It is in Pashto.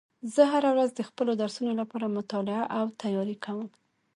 زه هره ورځ د خپلو درسونو لپاره مطالعه او تیاری کوم